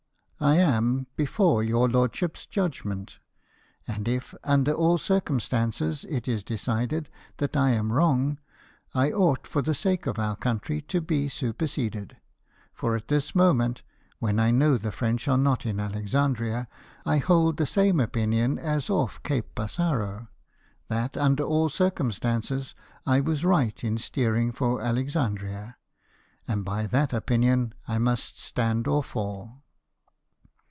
I am before your lordships' judgment ; and if, under all circiun stances, it is decided that I am wrong, I ought, for the sake of our country, to be superseded ; for at this moment, when I know the French are not in Alexandria, I hold the same opinion as off Cape Passaro — that, under all circumstances, I was right in steering for Alexandria ; and by that opinion I must stand or fall."